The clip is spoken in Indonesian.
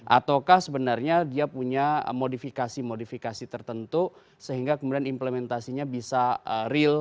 ataukah sebenarnya dia punya modifikasi modifikasi tertentu sehingga kemudian implementasinya bisa real